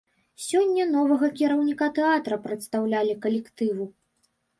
Сёння новага кіраўніка тэатра прадставілі калектыву.